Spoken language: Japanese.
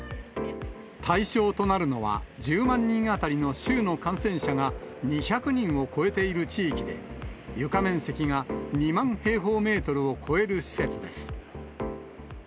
対象となるのは１０万人当たりの週の感染者が２００人を超えている地域で、床面積が２万平方メートルを超える施設です。